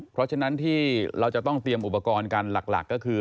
เพราะฉะนั้นเราต้องเตรียมอุปกรณ์อุปกรณ์หลักก็คือ